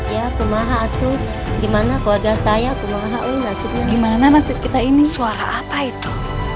ya kumaha atuh gimana keluarga saya kumaha u nasibnya gimana nasib kita ini suara apa itu